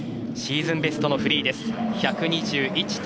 シーズンベストのフリーです１２１．０６。